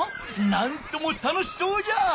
なんとも楽しそうじゃ！